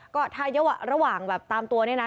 ก็ถ้าเยอะระหว่างแบบตามตัวเนี่ยนะ